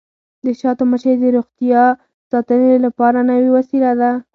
د شاتو مچۍ د روغتیا ساتنې لپاره نوې وسیله ده.